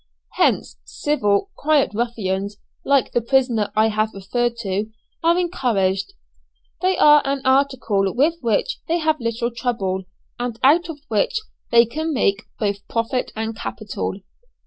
Hence, civil quiet ruffians, like the prisoner I have referred to, are encouraged. They are an article with which they have little trouble, and out of which they can make both profit and capital.